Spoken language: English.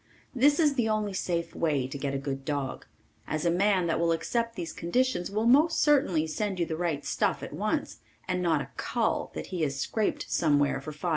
This is the only safe way to get a good dog, as a man that will accept these conditions will most certainly send you the right stuff at once and not a "cull", that he has scraped somewhere for $5.